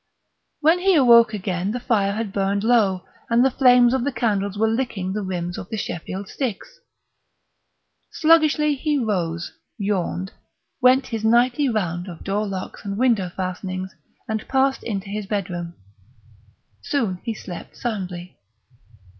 When he awoke again the fire had burned low and the flames of the candles were licking the rims of the Sheffield sticks. Sluggishly he rose, yawned, went his nightly round of door locks and window fastenings, and passed into his bedroom. Soon he slept soundly.